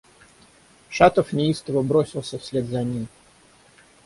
Шатов неистово бросился вслед за ним.